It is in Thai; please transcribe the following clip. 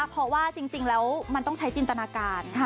เพราะว่าจริงแล้วมันต้องใช้จินตนาการ